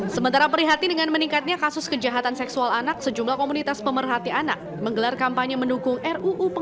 sementara prihatin dengan meningkatnya kasus kejahatan seksual anak sejumlah komunitas pemerhati anak menggelar kampanye mendukung ruu pemilu